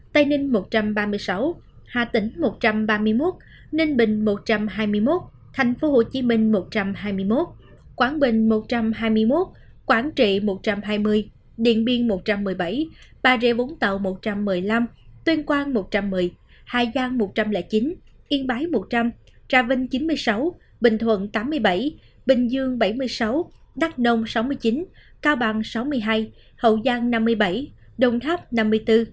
tây ninh một trăm ba mươi sáu hà tĩnh một trăm ba mươi một ninh bình một trăm hai mươi một thành phố hồ chí minh một trăm hai mươi một quảng bình một trăm hai mươi một quảng trị một trăm hai mươi điện biên một trăm một mươi bảy bà rệ vốn tàu một trăm một mươi năm tuyên quang một trăm một mươi hải giang một trăm linh chín yên bái một trăm linh tra vinh chín mươi sáu bình thuận tám mươi bảy bình dương bảy mươi sáu đắk nông sáu mươi chín cao bằng sáu mươi hai hậu giang năm mươi bảy đồng tháp năm mươi sáu hồ chí minh sáu mươi bảy